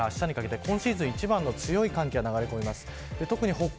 今夜からあしたにかけて今シーズン一番の強い寒気が流れ込みます。